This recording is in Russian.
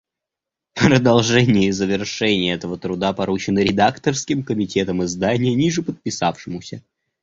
Продолжение и завершение этого труда поручено редакторским комитетом издания нижеподписавшемуся.